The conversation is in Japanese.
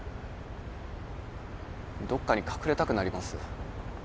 どっかに隠れたくなります。